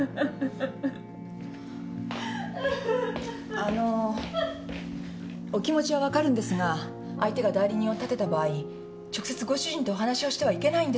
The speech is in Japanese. あのお気持ちは分かるんですが相手が代理人を立てた場合直接ご主人とお話をしてはいけないんですよ。